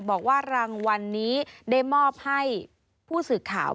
บอกว่ารางวัลนี้ได้มอบให้ผู้สื่อข่าว